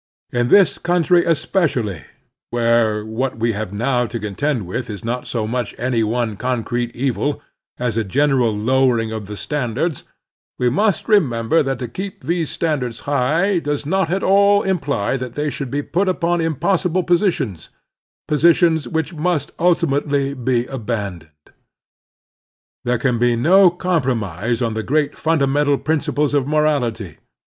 In this coxmtry especially, where what we have now to contend with is not so much any one concrete evil as a general lowering of the standards, we must remember that to keep these standards high does not at all imply that they shotild be put upon impossible positions — positions which must ulti mately be abandoned. There can be no compro mise on the great fimdamental principles of morality.